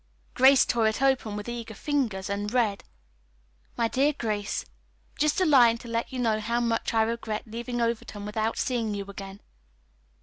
Grace tore it open with eager fingers and read: "MY DEAR GRACE: "Just a line to let you know how much I regret leaving Overton without seeing you again.